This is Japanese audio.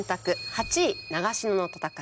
８位長篠の戦い。